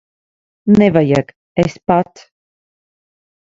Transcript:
Nevajag. Es pats.